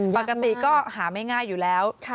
ปกติก็หาไม่ง่ายอยู่แล้ว